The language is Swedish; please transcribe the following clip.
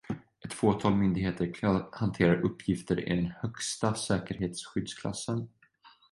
Ett fåtal myndigheter hanterar uppgifter i den högsta säkerhetsskyddsklassen.